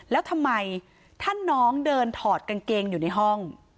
แล้วทำไมถ้าน้องเดินถอดกางเกงอยู่ในห้อง